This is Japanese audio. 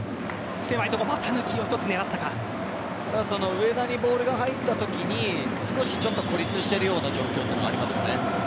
上田にボールが入ったときに少しちょっと孤立しているような状況というのがありますよね。